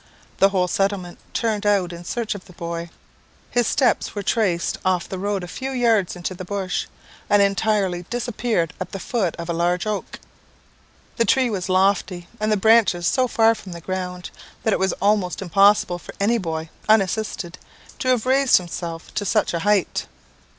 The whole settlement turned out in search of the boy. His steps were traced off the road a few yards into the bush, and entirely disappeared at the foot of a large oak tree. The tree was lofty, and the branches so far from the ground, that it was almost impossible for any boy, unassisted, to have raised himself to such a height.